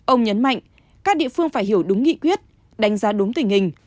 ông nhấn mạnh các địa phương phải hiểu đúng nghị quyết đánh giá đúng tình hình